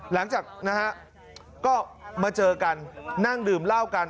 หลังจากนะฮะก็มาเจอกันนั่งดื่มเหล้ากัน